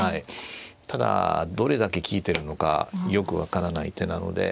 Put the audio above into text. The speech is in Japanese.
ただどれだけ利いてるのかよく分からない手なので。